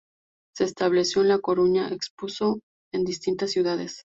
Se estableció en La Coruña, expuso en distintas ciudades.